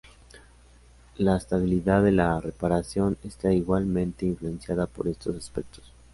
La estabilidad de la reparación está igualmente influenciada por estos aspectos.